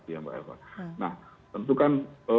ya mbak eva nah tentu kan